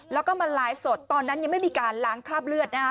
แล้วก็มาไลฟ์สดตอนนั้นยังไม่มีการล้างคราบเลือดนะฮะ